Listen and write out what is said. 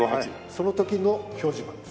その時の表示板です。